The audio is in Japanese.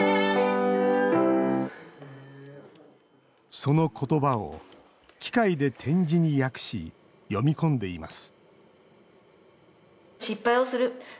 そのことばを機械で点字に訳し読み込んでいます